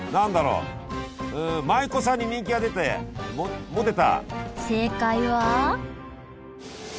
うん舞妓さんに人気が出てモテた。